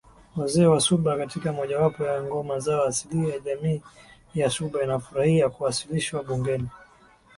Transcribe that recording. Wazee Wasuba katika mojawapo ya ngoma zao asilia Jamii ya Suba inafurahia kuwasilishwa bungeni